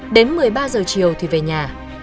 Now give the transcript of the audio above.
đến một mươi ba h chiều thì về nhà